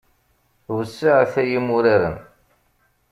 Wesseɛet ay imuraren.